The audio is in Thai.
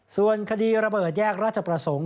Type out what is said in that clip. ส่วนคดีระเบิดแยกราชประสงค์